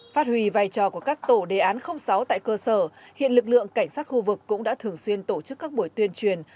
phát huy vai trò của các tổ đề án sáu tại cơ sở hiện lực lượng cảnh sát khu vực cũng đã thường xuyên tổ chức các buổi tuyên truyền